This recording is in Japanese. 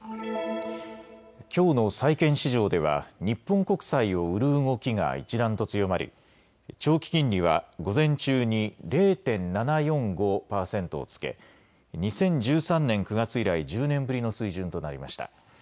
きょうの債券市場では日本国債を売る動きが一段と強まり長期金利は午前中に０．７４５％をつけ２０１３年９月以来、１０年ぶりの水準となりました。